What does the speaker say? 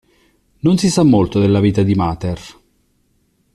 Non si sa molto della vita di Mather.